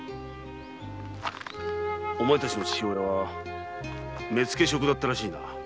お前たちの父親は目付職だったらしいな？